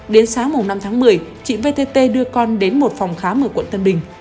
đến sáng năm tháng một mươi chị vtt đưa con đến một phòng khám ở quận tân bình